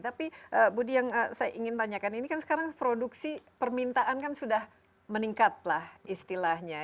tapi budi yang saya ingin tanyakan ini kan sekarang produksi permintaan kan sudah meningkat lah istilahnya